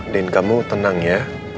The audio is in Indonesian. din kamu tenang ya